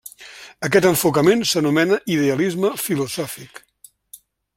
Aquest enfocament s'anomena idealisme filosòfic.